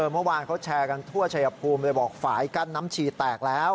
เมื่อวานเขาแชร์กันทั่วชายภูมิเลยบอกฝ่ายกั้นน้ำชีแตกแล้ว